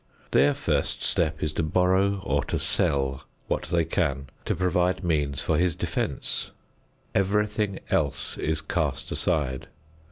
Their first step is to borrow or to sell what they can to provide means for his defense. Everything else is cast aside.